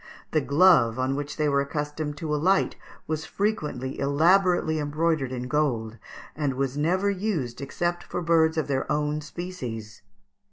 The glove on which they were accustomed to alight was frequently elaborately embroidered in gold, and was never used except for birds of their own species.